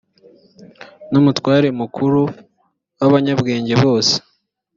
ni umutware mukuru w’abanyabwenge bose